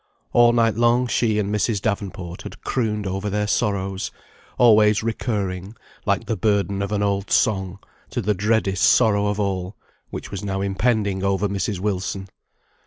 All night long she and Mrs. Davenport had crooned over their sorrows, always recurring, like the burden of an old song, to the dreadest sorrow of all, which was now impending over Mrs. Wilson.